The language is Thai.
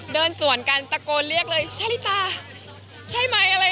เดินสวนกันตะโกนเรียกเลยชะลิตาใช่ไหมอะไร